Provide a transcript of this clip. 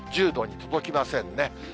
１０度に届きませんね。